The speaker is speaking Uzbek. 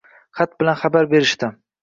Xat bilan xabar berishdi